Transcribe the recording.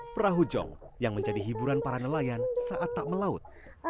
perahu jong yang menjadi hiburan para nelayan saat tak melaut